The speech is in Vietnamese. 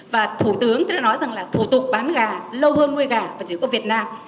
và thủ tướng đã nói rằng là thủ tục bán gà lâu hơn nuôi gà và chỉ có việt nam